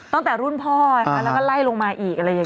ตั้งแต่รุ่นพ่อแล้วก็ไล่ลงมาอีกอะไรอย่างนี้